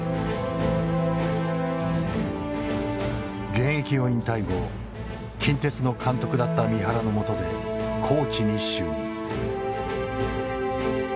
現役を引退後近鉄の監督だった三原のもとでコーチに就任。